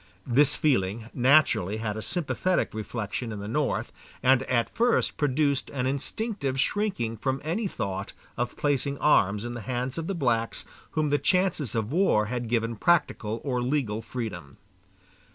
This feeling naturally had a sympathetic reflection in the North, and at first produced an instinctive shrinking from any thought of placing arms in the hands of the blacks whom the chances of war had given practical or legal freedom.